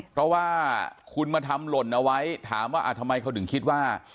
เพราะว่าคุณมาทำหล่นเอาไว้ถามว่าทำไมเขาถึงคิดว่า